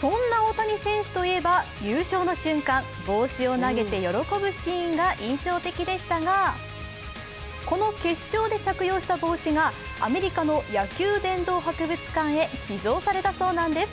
そんな大谷選手といえば優勝の瞬間、帽子を投げて喜ぶシーンが印象的でしたがこの決勝で着用した帽子がアメリカの野球殿堂博物館へ寄贈されたそうなんです。